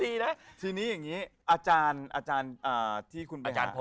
ทีนี้ทีนี้อย่างนี้อาจารย์อาจารย์ที่คุณไปหา